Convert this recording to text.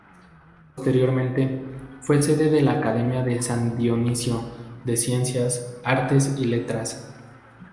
Posteriormente, fue sede de la Academia de San Dionisio, de Ciencias, Artes y Letras.